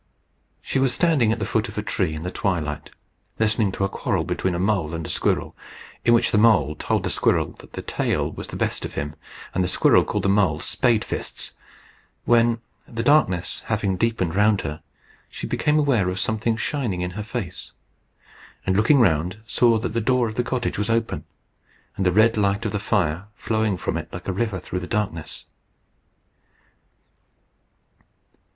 She was standing at the foot of a tree in the twilight, listening to a quarrel between a mole and a squirrel, in which the mole told the squirrel that the tail was the best of him, and the squirrel called the mole Spade fists, when, the darkness having deepened around her, she became aware of something shining in her face, and looking round, saw that the door of the cottage was open, and the red light of the fire flowing from it like a river through the darkness.